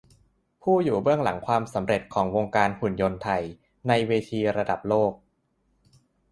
ผู้อยู่เบื้องหลังความสำเร็จของวงการหุ่นยนต์ไทยในเวทีระดับโลก